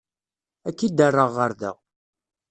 Ad k-id-rreɣ ɣer da.